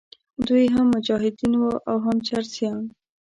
دوی هم مجاهدین وو او هم چرسیان.